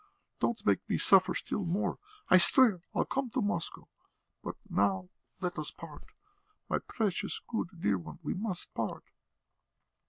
Don't make me suffer still more! I swear I'll come to Moscow. But now let us part. My precious, good, dear one, we must part!"